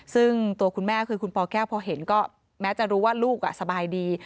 ซึ่งตัวคุณแม่คือคุณปแก้วพอเห็นก็แม้จะรู้ว่าลูกสบายดี